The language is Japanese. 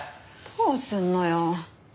どうすんのよ。